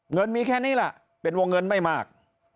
เงินมีแค่นี้แหละเป็นวงเงินไม่มาก